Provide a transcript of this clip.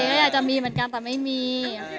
ไม่มีอะสิอาจจะมีเหมือนกันแต่ไม่มี